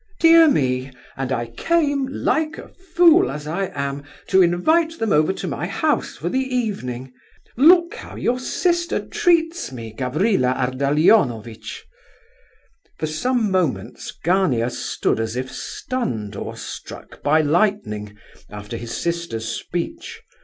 "Dear me, and I came—like a fool, as I am—to invite them over to my house for the evening! Look how your sister treats me, Gavrila Ardalionovitch." For some moments Gania stood as if stunned or struck by lightning, after his sister's speech.